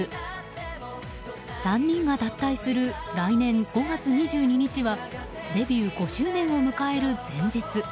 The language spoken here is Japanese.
３人が脱退する来年５月２２日はデビュー５周年を迎える前日。